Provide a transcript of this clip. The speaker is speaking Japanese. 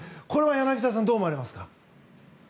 これは柳澤さんどう思われますか？